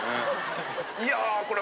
いやこれ。